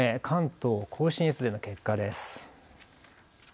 関東甲信越勢の結果です。